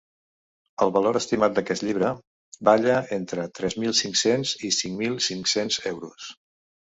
El valor estimat d’aquest llibre balla entre tres mil cinc-cents i cinc mil cinc-cents euros.